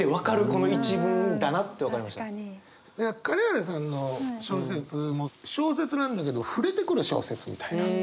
金原さんの小説も小説なんだけど触れてくる小説みたいな。